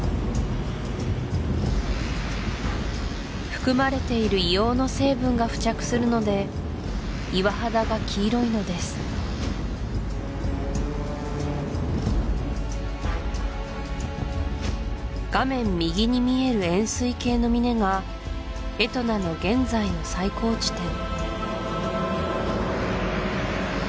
含まれている硫黄の成分が付着するので岩肌が黄色いのです画面右に見える円錐形の峰がエトナの現在の最高地点